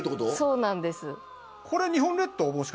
そうなんです。